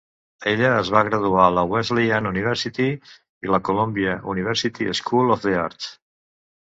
Ella es va graduar a la Wesleyan University i la Columbia University School of the Arts.